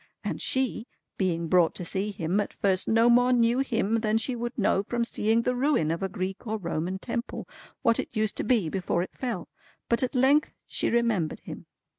And she, being brought to see him, at first no more knew him than she would know from seeing the ruin of a Greek or Roman Temple, what it used to be before it fell; but at length she remembered him.